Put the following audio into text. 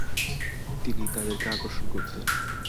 তিনি তাদেরকে আকর্ষণ করতেন।